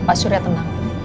pak surya tenang